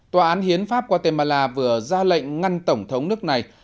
tòa án hiến pháp guatemala vừa ra lệnh ngăn tổng thống nước này